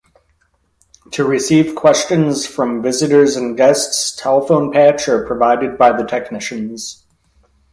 To receive questions from visitors and guests, telephone patch are provided by the technicians.